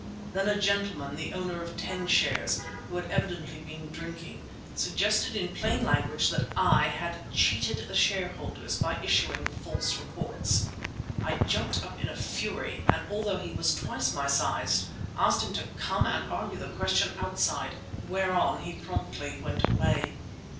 Then a gentleman, the owner of ten shares, who had evidently been drinking, suggested in plain language that I had cheated the shareholders by issuing false reports. I jumped up in a fury and, although he was twice my size, asked him to come and argue the question outside, whereon he promptly went away.